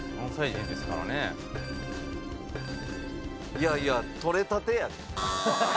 いやいや「とれたて」やで。